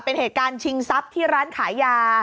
เป็นเหตุการณ์ชิงทรัพย์ที่ร้านขายยา